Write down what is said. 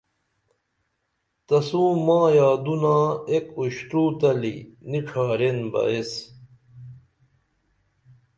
تسو ما یادونا ایک اُشترو تلی نی ڇھارین بہ ایس